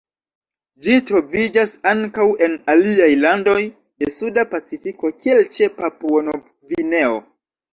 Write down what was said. Ĝi troviĝas ankaŭ en aliaj landoj de Suda Pacifiko, kiel ĉe Papuo-Nov-Gvineo.